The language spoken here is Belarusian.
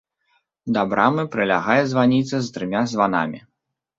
Да брамы прылягае званіца з трыма званамі.